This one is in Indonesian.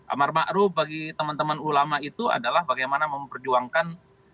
amar ma'ruf bagi teman teman ulama itu adalah bagaimana memperjuangkan